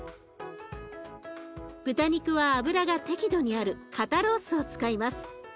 豚肉は脂が適度にある肩ロースを使います。